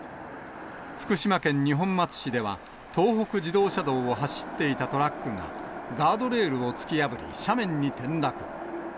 福島県二本松市では、東北自動車道を走っていたトラックが、ガードレールを突き破り、斜面に転落。